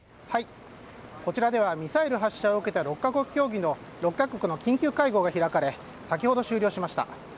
こちらではミサイル発射を受けて６か国の緊急会合が開かれ先ほど、終了しました。